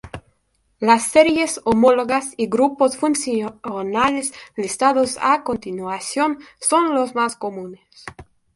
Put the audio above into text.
Las series homólogas y grupos funcionales listados a continuación son los más comunes.